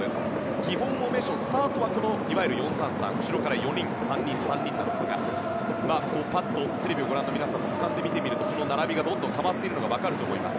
基本フォーメーションスタートは４−３−３後ろから４人３人、３人なんですがテレビをご覧の皆さんは俯瞰しながらその並びがどんどん変わっているのが分かると思います。